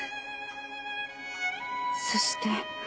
そして。